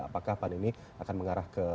apakah pan ini akan mengarah ke